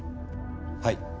はい。